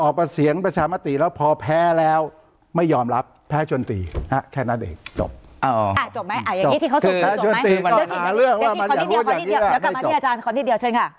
เดี๋ยวกลับมาที่อาจารย์ขออีกทีเดียวเชิญค่ะ